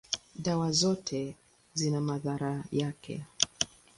dawa zote zina madhara yake.